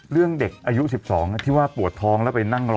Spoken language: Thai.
เรื่องเด็กอายุ๑๒ที่ว่าปวดท้องแล้วไปนั่งรอ